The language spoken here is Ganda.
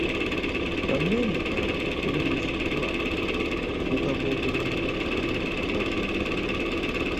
Ba memba abalala bakubiriziddwa okugaba obuyambi eri ababundabunda.